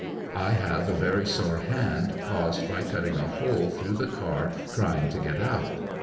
I have a very sore hand, caused by cutting a hole through the car trying to get out.